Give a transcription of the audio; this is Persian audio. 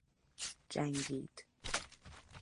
جنگید